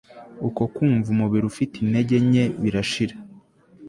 uko kumva umubiri ufite intege nke birashira